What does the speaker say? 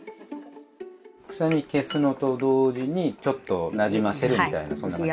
臭み消すのと同時にちょっとなじませるみたいなそんな感じ。